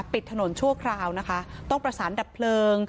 ปิดถนนชั่วคราวนะคะต้องประสานดับเพลิง